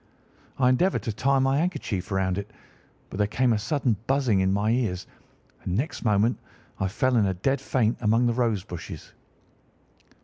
I endeavoured to tie my handkerchief round it, but there came a sudden buzzing in my ears, and next moment I fell in a dead faint among the rose bushes.